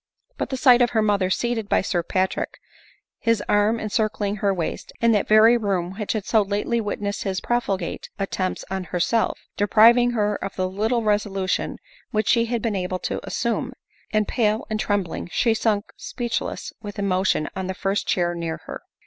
But the sight of her mother seated by Sir Patrick, his arm encircling her waist, in that very room which had so lately witnessed his profligate attempts on herself, depriv ed her of the little resolution which she had been able to assume, and pale and trembling she sunk speechless with emotion on the first chair near her.